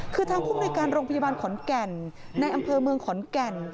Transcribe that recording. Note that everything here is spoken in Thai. คือทางภูมิในการโรงพยาบาลขอนแก่นในอำเภอเมืองขอนแก่น